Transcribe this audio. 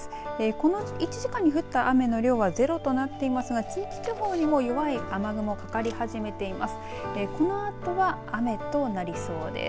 この１時間に降った雨の量はゼロとなっていますが近畿地方にも弱い雨雲かかり始めています。